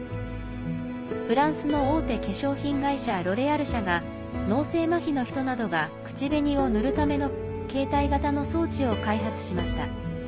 フランスの大手化粧品会社ロレアル社が脳性まひの人などが口紅を塗るための携帯型の装置を開発しました。